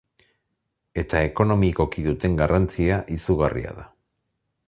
Eta ekonomikoki duten garrantzia izugarria da.